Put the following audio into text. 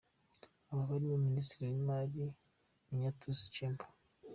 Abo barimo Minisitiri w’imari, Ignatius Chombo.